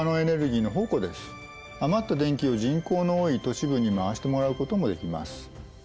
余った電気を人口の多い都市部に回してもらうこともできます。